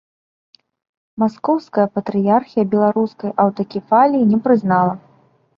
Маскоўская патрыярхія беларускай аўтакефаліі не прызнала.